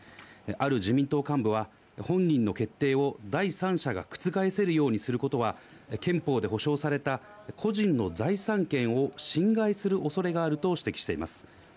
ある自民党幹部は、本人の決定を第三者が覆せるようにすることは、憲法で保障された個人の財産権を侵害するおそれがあると指摘しています。